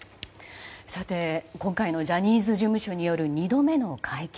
今回のジャニーズ事務所による２度目の会見。